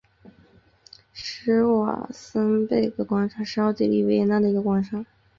施瓦岑贝格广场是奥地利维也纳的一个广场。